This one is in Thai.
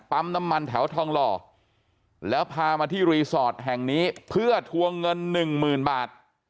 น้ำมันแถวทองหล่อแล้วพามาที่รีสอร์ทแห่งนี้เพื่อทวงเงินหนึ่งหมื่นบาท